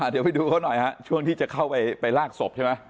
เดี๋ยวไปดูเขาหน่อยฮะช่วงที่จะเข้าไปลากศพใช่ไหม